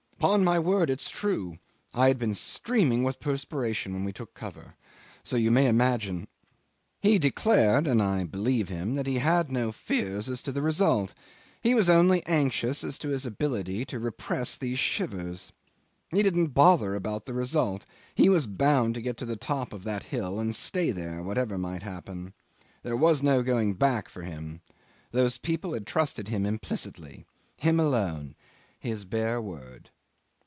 'Pon my word, it's true! I had been streaming with perspiration when we took cover so you may imagine ..." He declared, and I believe him, that he had no fears as to the result. He was only anxious as to his ability to repress these shivers. He didn't bother about the result. He was bound to get to the top of that hill and stay there, whatever might happen. There could be no going back for him. Those people had trusted him implicitly. Him alone! His bare word.